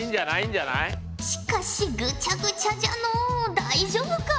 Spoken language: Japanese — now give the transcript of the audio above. しかしぐちゃぐちゃじゃのう大丈夫か？